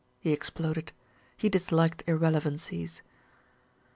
he exploded. He disliked irrelevancies.